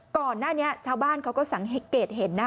ก่อนหน้านี้ชาวบ้านเขาก็สังเกตเห็นนะ